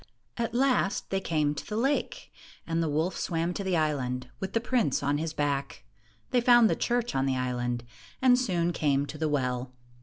At last, they came to the lake, and the wolf swam to the island, with the prince on his back. They found the church on the island, and soon came to the well.